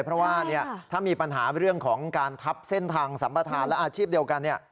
เพราะว่าถ้ามีปัญหาเรื่องของการทับเส้นทางสัมประธานและอาชีพเดียวกัน